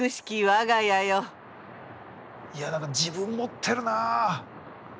いや何か自分持ってるなあ。